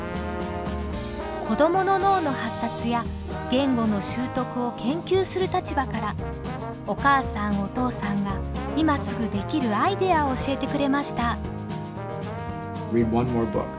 子どもの脳の発達や言語の習得を研究する立場からお母さんお父さんが今すぐできるアイデアを教えてくれました。